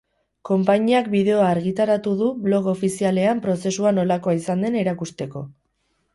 Konpainiak bideoa argitaratu du blog ofizialean prozesua nolakoa izan den erakusteko.